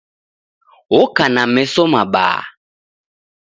Oka na meso mabaha